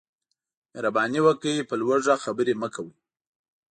مهرباني وکړئ په لوړ غږ خبرې مه کوئ